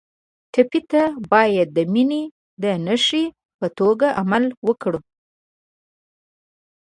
ټپي ته باید د مینې د نښې په توګه عمل وکړو.